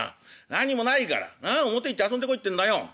何にもないから表行って遊んでこいってんだよ」。